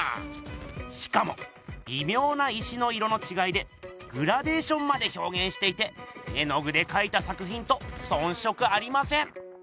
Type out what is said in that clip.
しかもびみょうな石の色のちがいでグラデーションまでひょうげんしていて絵の具でかいた作ひんとそんしょくありません。